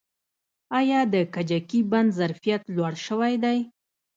آیا د کجکي بند ظرفیت لوړ شوی دی؟